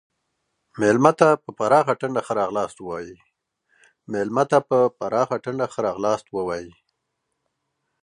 مېلمه ته په پراخه ټنډه ښه راغلاست ووایئ.